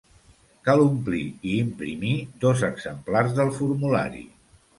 Cal omplir i imprimir dos exemplars del formulari.